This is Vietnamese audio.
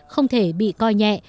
không thể bị coi nhẹ